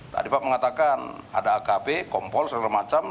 tadi pak mengatakan ada akp kompol segala macam